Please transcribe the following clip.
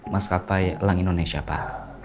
maskapai lang indonesia pak